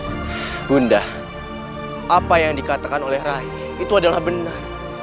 ibunda apa yang dikatakan oleh rai itu adalah benar